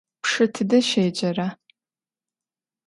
Пшы тыдэ щеджэра?